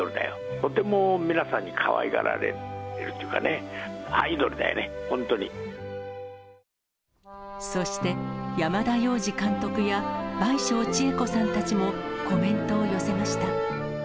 とても皆さんにかわいがられているっていうかね、アイドルだよね、そして、山田洋次監督や倍賞千恵子さんたちも、コメントを寄せました。